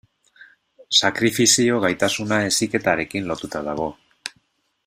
Sakrifizio gaitasuna heziketarekin lotuta dago.